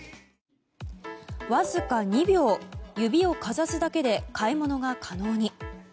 わずか２秒指をかざすだけで買い物が可能に。